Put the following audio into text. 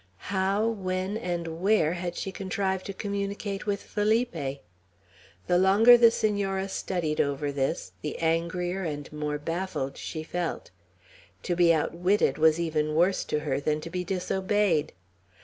How, when, and where had she contrived to communicate with Felipe? The longer the Senora studied over this, the angrier and more baffled she felt; to be outwitted was even worse to her than to be disobeyed.